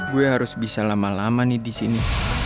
gue harus bisa lama dua nih disini